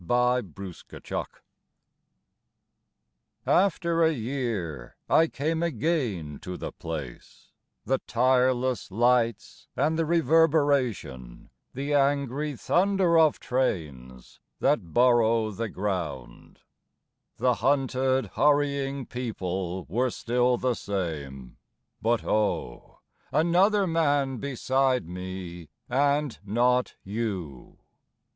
IN A SUBWAY STATION AFTER a year I came again to the place; The tireless lights and the reverberation, The angry thunder of trains that burrow the ground, The hunted, hurrying people were still the same But oh, another man beside me and not you!